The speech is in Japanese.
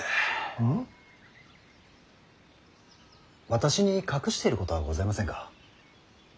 私に隠していることはございませんか。